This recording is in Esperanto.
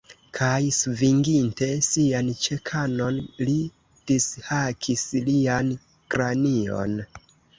Kaj, svinginte sian ĉekanon, li dishakis lian kranion.